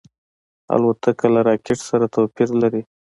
الوتکه له راکټ سره توپیر لري.